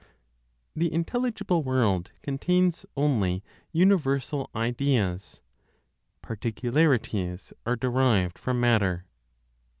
THE INTELLIGIBLE WORLD CONTAINS ONLY UNIVERSAL IDEAS; PARTICULARITIES ARE DERIVED FROM MATTER.